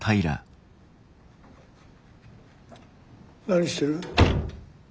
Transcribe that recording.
何してる。